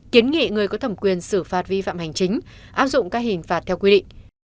kiến nghị người có thẩm quyền xử phạt vi phạm hành chính áp dụng các hình phạt theo quy định